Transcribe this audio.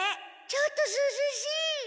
ちょっとすずしい。